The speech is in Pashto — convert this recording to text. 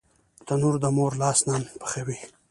تنور د مور لاس نان پخوي